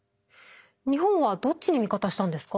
日本はどっちに味方したんですか？